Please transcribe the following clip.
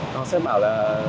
họ sẽ bảo là